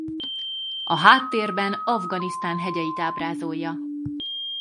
A háttérben Afganisztán hegyeit ábrázolja.